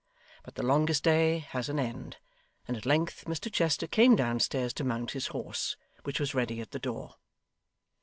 But the longest day has an end, and at length Mr Chester came downstairs to mount his horse, which was ready at the door.